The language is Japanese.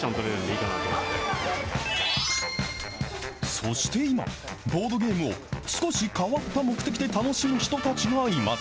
そして今、ボードゲームを少し変わった目的で楽しむ人たちがいます。